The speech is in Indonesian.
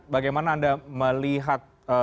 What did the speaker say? bagaimana anda melihat